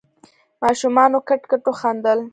ماشومانو کټ کټ وخندل.